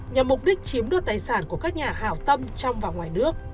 nhằm mục đích chiếm đoạt tài sản của các nhà hảo tâm trong và ngoài nước